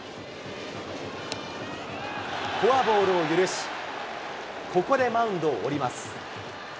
フォアボールを許し、ここでマウンドを降ります。